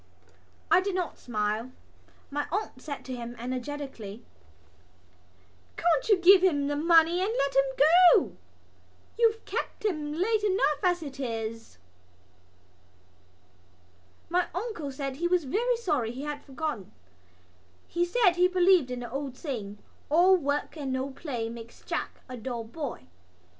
I did not smile. My aunt said to him energetically: "Can't you give him the money and let him go? You've kept him late enough as it is." My uncle said he was very sorry he had forgotten. He said he believed in the old saying: "All work and no play makes Jack a dull boy."